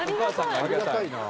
ありがたいな。